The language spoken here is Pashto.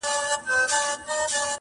• مینېږم زما فطرت عاشقانه دی..